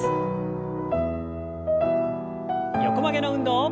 横曲げの運動。